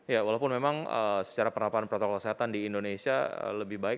ya walaupun memang secara penerapan protokol kesehatan di indonesia lebih baik